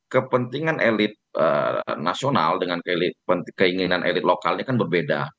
kepentingan elit nasional dengan keinginan elit lokalnya kan berbeda